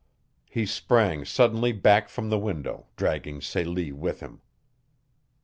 He sprang suddenly back from the window, dragging Celie with him.